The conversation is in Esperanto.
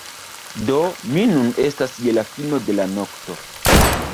Do, ni nun estas je la fino de la nokto